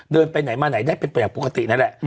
เดินไปไหนมาไหนได้เป็นประยาปกตินะแหละ